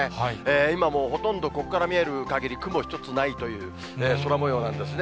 今もうほとんどここから見える限り雲一つないという空もようなんですね。